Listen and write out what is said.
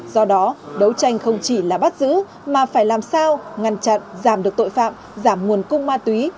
do đó đấu tranh không chỉ là bắt giữ mà phải làm sao ngăn chặn giảm được tội phạm giảm nguồn cung ma túy